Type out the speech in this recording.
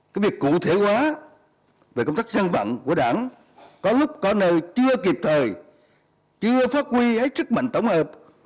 cái việc cụ thể hóa về công tác dân vận của đảng có lúc có nơi chưa kịp thời chưa phát huy hết sức mạnh tổng hợp